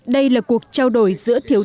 đây là cuộc trao đổi giữa thiếu tư